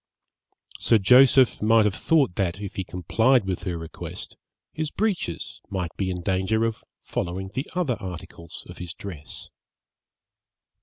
Sir Joseph might have thought that, if he complied with her request, his breeches might be in danger of following the other articles of his dress.